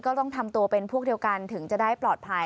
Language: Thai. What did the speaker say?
ก็ต้องทำตัวเป็นพวกเดียวกันถึงจะได้ปลอดภัย